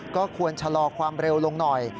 ก็ควรชะลอความเร็วลงหน่อย